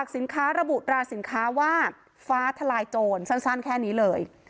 สินค้าระบุราสินค้าว่าฟ้าทลายโจรสั้นแค่นี้เลย